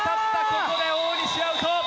ここで大西アウト！